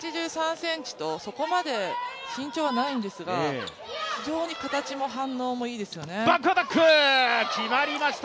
１８３ｃｍとそこまで身長はないんですが、非常に形も反応もいいですよね。